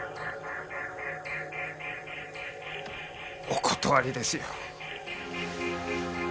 お断りですよ。